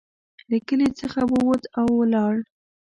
له کلي څخه ووت او ولاړ.